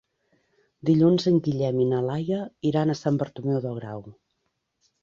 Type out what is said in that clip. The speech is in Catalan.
Dilluns en Guillem i na Laia iran a Sant Bartomeu del Grau.